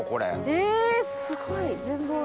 えすごい！全貌が。